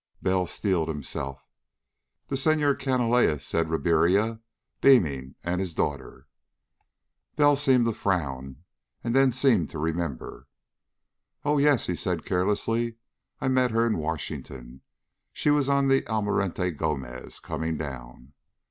Bell steeled himself. "The Senhor Canalejas," said Ribiera, beaming, "and his daughter." Bell seemed to frown, and then seemed to remember. "Oh, yes," he said carelessly, "I met her in Washington. She was on the Almirante Gomez, coming down."